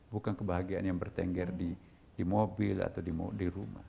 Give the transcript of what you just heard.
bukan kebahagiaan yang bertengger di mobil atau di rumah